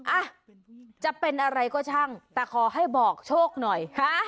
อ่ะจะเป็นอะไรก็ช่างแต่ขอให้บอกโชคหน่อยฮะ